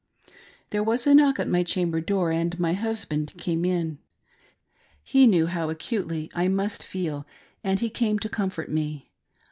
There was a knock at my chamber door, and my husband came in. He knew how acutely I must feel, and he came to comfort me.